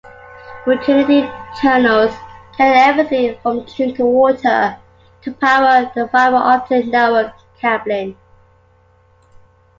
Utility tunnels carry everything from drinking water to power to fiber-optic network cabling.